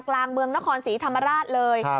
กลางเมืองนครศรีธรรมราชเลย